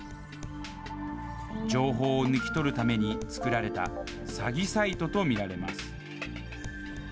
情報を抜き取るために作られた、詐欺サイトと見られます。